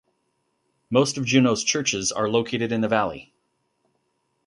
Most of Juneau's churches are located in the Valley.